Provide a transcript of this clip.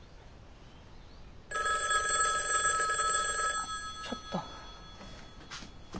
☎あっちょっと。